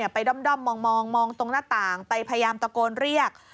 ด้อมมองตรงหน้าต่างไปพยายามตะโกนเรียก